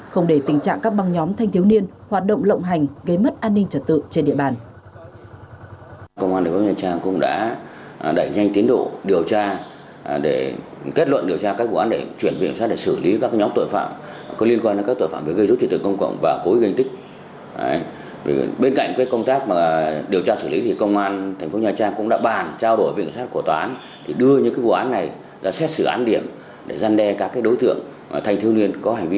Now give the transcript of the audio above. không để tình trạng các băng nhóm thanh thiếu niên hoạt động lộng hành gây mất an ninh trật tự trên địa bàn